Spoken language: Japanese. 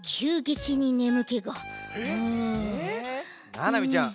ななみちゃん